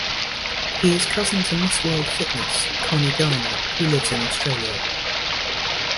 He is cousin to Miss World Fitness - Connie Garner who lives in Australia.